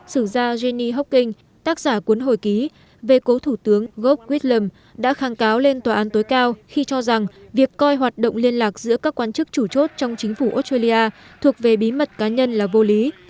sử gia jenny hocking tác giả cuốn hồi ký về cố thủ tướng gogh witlam đã kháng cáo lên tòa án tối cao khi cho rằng việc coi hoạt động liên lạc giữa các quan chức chủ chốt trong chính phủ australia thuộc về bí mật cá nhân là vô lý